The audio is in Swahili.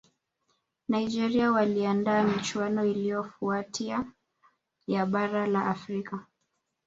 nigeria waliandaa michuano iliyofuatia ya bara la afrika